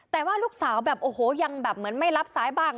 แต่ว่าลูกสาวแบบโอ้โหยังแบบเหมือนไม่รับสายบ้าง